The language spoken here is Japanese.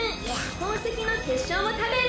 宝石の結晶を食べる。